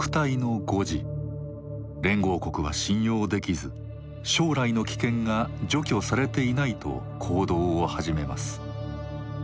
連合国は信用できず「将来の危険」が除去されていないと行動を始めます。